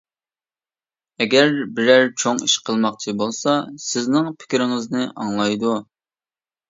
ئەگەر بىرەر چوڭ ئىش قىلماقچى بولسا، سىزنىڭ پىكرىڭىزنى ئاڭلايدۇ.